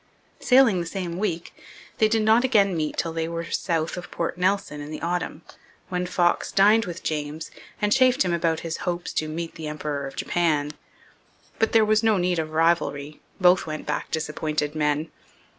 Sailing the same week, they did not again meet till they were south of Port Nelson in the autumn, when Fox dined with James and chaffed him about his hopes to 'meet the Emperor of Japan.' But there was no need of rivalry; both went back disappointed men.